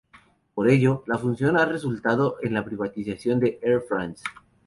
Por ello, la fusión ha resultado en la privatización de Air France.